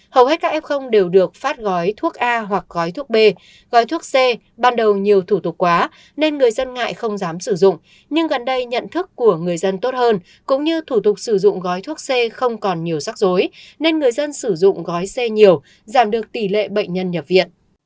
hầu hết các f đều được phát gói thuốc a hoặc gói thuốc b gói thuốc c ban đầu nhiều thủ tục quá nên người dân ngại không dám sử dụng nhưng gần đây nhận thức của người dân tốt hơn cũng như thủ tục sử dụng gói thuốc c không còn nhiều rắc rối nên người dân sử dụng gói xe nhiều giảm được tỷ lệ bệnh nhân nhập viện